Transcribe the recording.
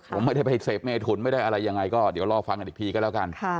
ผมไม่ได้ไปเสพเมถุนไม่ได้อะไรยังไงก็เดี๋ยวรอฟังกันอีกทีก็แล้วกัน